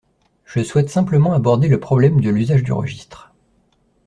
Je souhaite simplement aborder le problème de l’usage du registre.